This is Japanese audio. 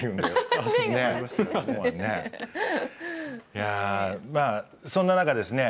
いやまあそんな中ですね